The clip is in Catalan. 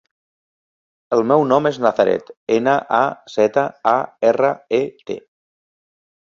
El meu nom és Nazaret: ena, a, zeta, a, erra, e, te.